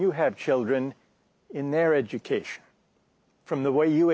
はい。